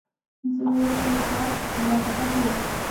د سرو زرو تاج په طلا تپه کې و